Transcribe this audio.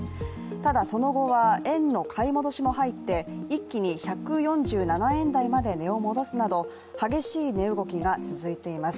ただ、その後は円の買い戻しも入って一気に１４０円台まで値を戻すなど激しい値動きが続いています。